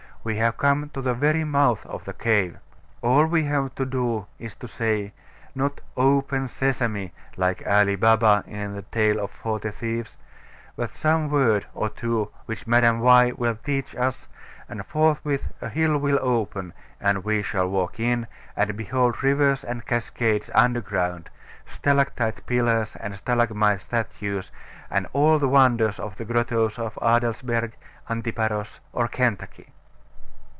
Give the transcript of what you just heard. We have come to the very mouth of the cave. All we have to do is to say not "Open Sesame," like Ali Baba in the tale of the Forty Thieves but some word or two which Madam Why will teach us, and forthwith a hill will open, and we shall walk in, and behold rivers and cascades underground, stalactite pillars and stalagmite statues, and all the wonders of the grottoes of Adelsberg, Antiparos, or Kentucky.